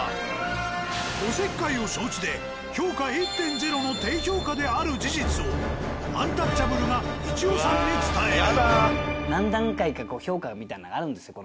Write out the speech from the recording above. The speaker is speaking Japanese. おせっかいを承知で評価 １．０ の低評価である事実をアンタッチャブルが一夫さんに伝える。